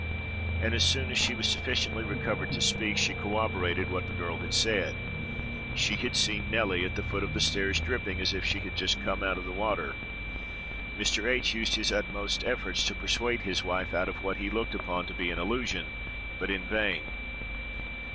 and as soon as she was sufficiently recovered to speak, she corroborated what the girl had said: she had seen Nelly at the foot of the stairs, dripping as if she had just come out of the water. Mr. H—— used his utmost efforts to persuade his wife out of what he looked upon to be an illusion; but in vain.